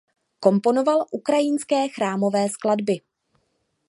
Komponoval ukrajinské chrámové skladby.